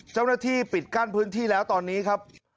เจ้าหน้าที่ปิดกั้นพื้นที่แล้วตอนนี้ครับ